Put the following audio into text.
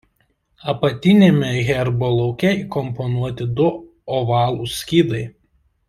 Apatiniame herbo lauke įkomponuoti du ovalūs skydai.